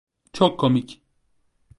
Çok komik!